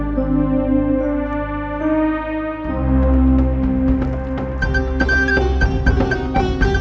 kalau banjobat saraninnya tanam sawi